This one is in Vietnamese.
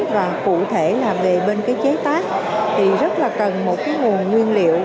và cụ thể là về bên chế tác thì rất là cần một nguồn nguyên liệu